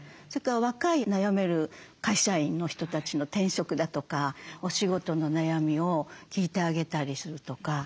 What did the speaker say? それから若い悩める会社員の人たちの転職だとかお仕事の悩みを聞いてあげたりするとか。